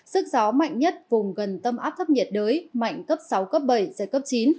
sức gió mạnh nhất vùng gần tâm áp thấp nhiệt đới mạnh cấp sáu cấp bảy dây cấp chín